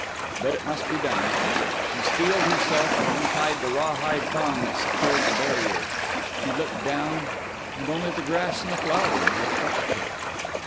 But it must be done. She steeled herself and untied the rawhide thong that secured the barrier. She looked down and only the grass and the flowers looked up at her.